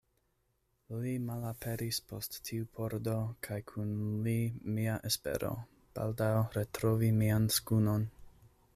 Li malaperis post tiu pordo kaj kun li mia espero, baldaŭ retrovi mian skunon.